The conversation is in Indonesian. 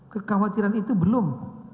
kekhawatiran itu belum